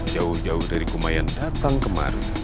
jauh jauh dari kumai yang datang kemari